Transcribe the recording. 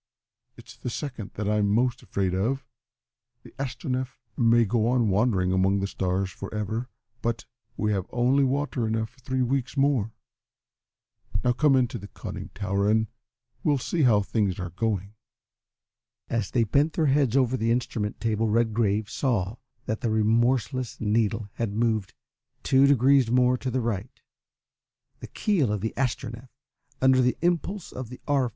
It's the second that I'm most afraid of. The Astronef may go on wandering among the stars for ever but we have only water enough for three weeks more. Now come into the conning tower and we'll see how things are going." As they bent their heads over the instrument table Redgrave saw that the remorseless needle had moved two degrees more to the right. The keel of the Astronef, under the impulse of the R.